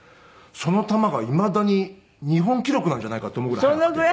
その球がいまだに日本記録なんじゃないかって思うぐらい速くて。